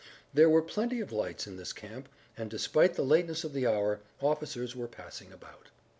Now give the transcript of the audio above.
There were plenty of lights in this camp, and, despite the lateness of the hour, officers were passing about.